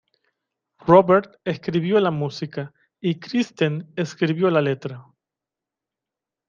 Robert escribió la música, y Kristen escribió la letra.